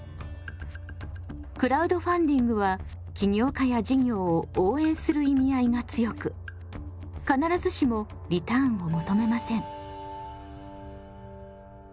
クラウドファンディングは起業家や事業を応援する意味合いが強く必ずしもリターンを求めません。